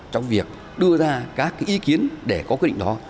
trong việc đưa ra các ý kiến để có quyết định đó